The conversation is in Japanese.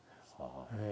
ええ。